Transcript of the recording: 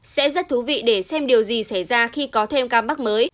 sẽ rất thú vị để xem điều gì xảy ra khi có thêm ca mắc mới